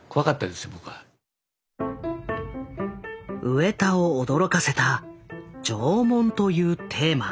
上田を驚かせた縄文というテーマ。